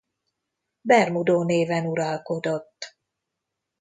Bermudo néven uralkodott.